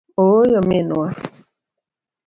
Oyo minwa.